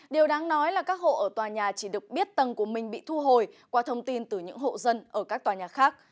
điều đáng nói là các hộ ở tòa nhà chỉ được biết tầng của mình bị thu hồi qua thông tin từ những hộ dân ở các tòa nhà khác